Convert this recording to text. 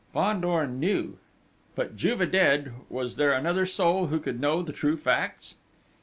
Fandor knew; but, Juve dead, was there another soul who could know the true facts?